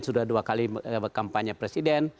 sudah dua kali kampanye presiden